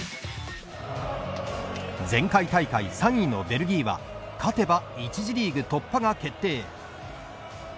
前回大会３位のベルギーは勝てば１次リーグ突破が決定。